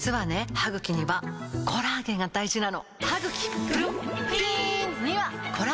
歯ぐきにはコラーゲンが大事なの！